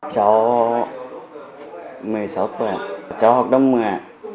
cháu một mươi sáu tuổi cháu học đông nghề